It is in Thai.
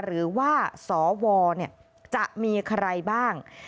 หรือว่าสวจะมีใครบ้าง